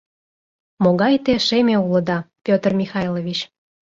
— Могай те шеме улыда, Петр Михайлович!